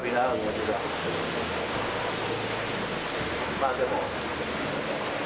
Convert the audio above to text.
まぁでも。